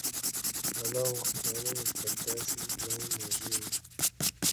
Anything which would drain off energies from the prime task was unthinkable.